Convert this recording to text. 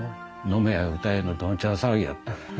飲めや歌えのどんちゃん騒ぎやった。